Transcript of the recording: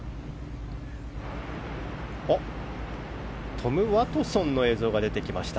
トム・ワトソンの映像が出てきました。